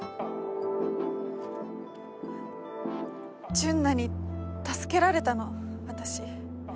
純奈に助けられたの私。